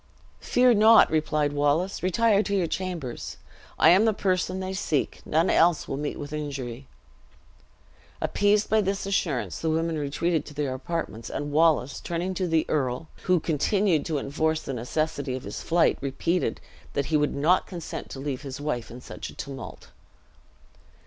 "Fear not," replied Wallace; "retire to your chambers. I am the person they seek: none else will meet with injury." Appeased by this assurance, the women retreated to their apartments; and Wallace, turning to the earl, who continued to enforce the necessity of his flight, repeated, that he would not consent to leave his wife in such a tumult.